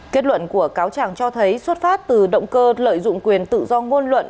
kết luận của cáo chẳng cho thấy xuất phát từ động cơ lợi dụng quyền tự do ngôn luận